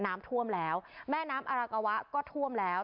น้ำท่วมแล้วแม่น้ำอารากาวะก็ท่วมแล้ว